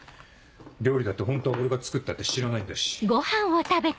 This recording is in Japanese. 料理だってホントは俺が作ったって知らないんだし。